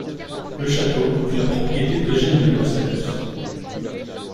Le château fut la propriété d'Eugène de Lur-Saluces.